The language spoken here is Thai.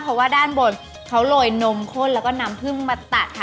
เพราะว่าด้านบนเขาโรยนมข้นแล้วก็นำพึ่งมาตัดค่ะ